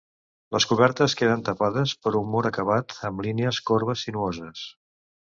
Les cobertes queden tapades per un mur acabat amb línies corbes sinuoses.